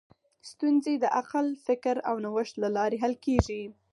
ستونزې د عقل، فکر او نوښت له لارې حل کېږي.